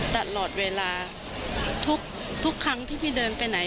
ตลอดเวลาทุกครั้งที่พี่เดินไปไหน